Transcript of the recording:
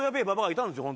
いたんですよ。